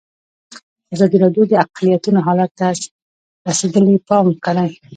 ازادي راډیو د اقلیتونه حالت ته رسېدلي پام کړی.